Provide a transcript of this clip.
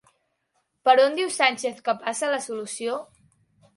Per on diu Sánchez que passa la solució?